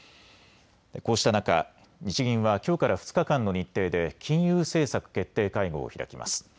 こうした中、日銀はきょうから２日間の日程で金融政策決定会合を開きます。